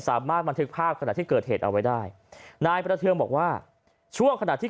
สามารถบันทึกภาพขณะที่เกิดเหตุเอาไว้ได้นายประเทืองบอกว่าช่วงขณะที่